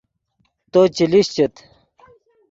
تو چے لیشچیت